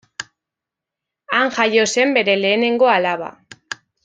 Han jaio zen bere lehenengo alaba.